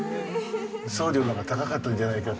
送料の方が高かったんじゃないかって。